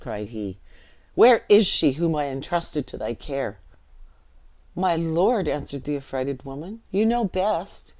cried he. "Where is she, whom I intrusted to thy care?" "My lord," answered the affrighted woman, "you know best.